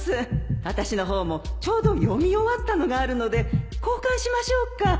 あたしの方もちょうど読み終わったのがあるので交換しましょうか